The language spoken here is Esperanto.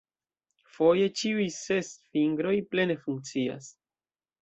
Foje ĉiuj ses fingroj plene funkcias.